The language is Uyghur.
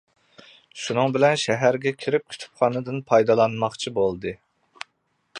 شۇنىڭ بىلەن شەھەرگە كىرىپ كۇتۇپخانىدىن پايدىلانماقچى بولدى.